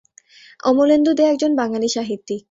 অমলেন্দু দে একজন বাঙালি সাহিত্যিক।